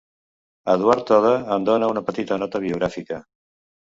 Eduard Toda en dóna una petita nota biogràfica.